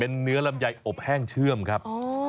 เนื้อลำไยอบแห้งเชื่อมครับ